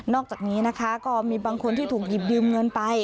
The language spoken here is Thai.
อกจากนี้นะคะก็มีบางคนที่ถูกหยิบยืมเงินไป